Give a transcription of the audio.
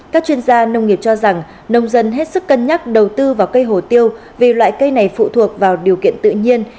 các chuyên gia nông nghiệp cho rằng nông dân hết sức cân nhắc đầu tư vào cây hổ tiêu vì loại cây này phụ thuộc vào điều kiện tự nhiên